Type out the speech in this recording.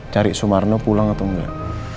cari sumarno pulang atau enggak